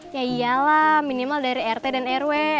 yaiyalah minimal dari rt dan rw